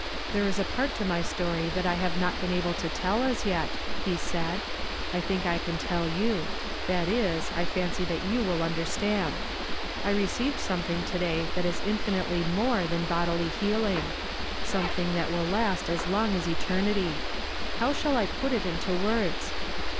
"There is a part to my story tliat I have not been able to tell, as yet," lie said. ''I tliiidv I can tell you; that is, I fancy that you will under stand. I received somethincr to day that is infi nitely more than bodily healing — something that will last as long as eternity. IIou' shall I put it into words?